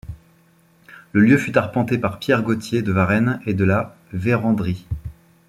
Le lieu fut arpenté par Pierre Gaultier de Varennes et de La Vérendrye.